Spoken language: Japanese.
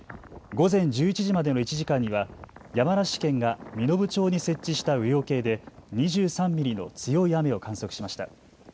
午前１１時までの１時間には山梨県が身延町に設置した雨量計で２３ミリの強い雨を観測しました。